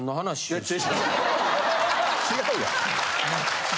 違うやん。